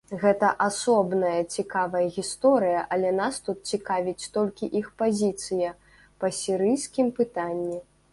Гэта асобная цікавая гісторыя, але нас тут цікавіць толькі іх пазіцыя па сірыйскім пытанні.